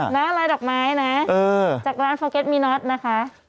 อะไรดอกไม้นะจากร้านโฟเก็ตมีน็อตนะคะ